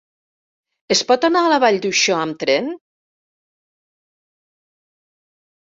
Es pot anar a la Vall d'Uixó amb tren?